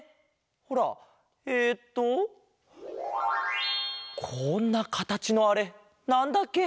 ほらえっとこんなかたちのあれなんだっけ？